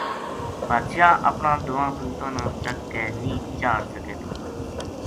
بادشاہ اپناں دواں پوتاں نا چک کے نیہہ چاڑ سکے تھو